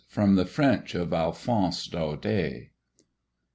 From the French of ALPHONSE DAUDET.